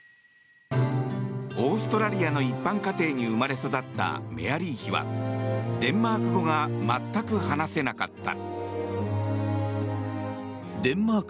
オーストラリアの一般家庭に生まれ育ったメアリー妃はデンマーク語が全く話せなかった。